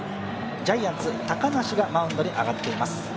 ジャイアンツ、高梨がマウンドに上がっています。